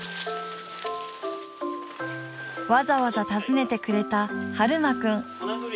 わざわざ訪ねてくれた悠真くん。